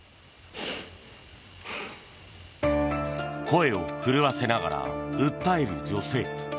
声を震わせながら訴える女性。